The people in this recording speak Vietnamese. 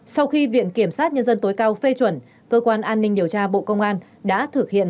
sau khi viện kiểm sát nhân dân tối cao phê chuẩn cơ quan an ninh điều tra bộ công an đã thực hiện